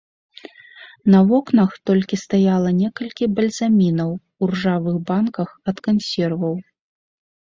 На вокнах толькі стаяла некалькі бальзамінаў у ржавых банках ад кансерваў.